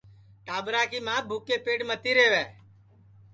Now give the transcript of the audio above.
ٹاٻرا کُی ماں بُھکے پیٹ متی رہوے